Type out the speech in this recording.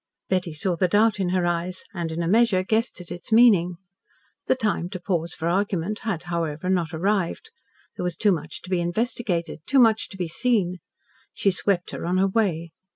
Betty saw the doubt in her eyes, and in a measure, guessed at its meaning. The time to pause for argument had, however not arrived. There was too much to be investigated, too much to be seen. She swept her on her way.